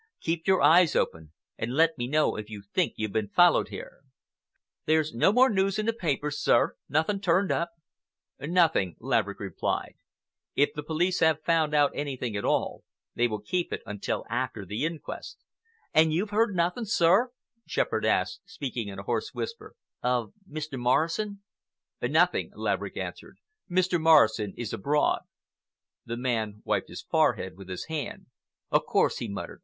Keep your eyes open, and let me know if you think you've been followed here." "There's no more news in the papers, sir? Nothing turned up?" "Nothing," replied Laverick. "If the police have found out anything at all, they will keep it until after the inquest." "And you've heard nothing, sir," Shepherd asked, speaking in a hoarse whisper, "of Mr. Morrison?" "Nothing," Laverick answered. "Mr. Morrison is abroad." The man wiped his forehead with his hand. "Of course!" he muttered.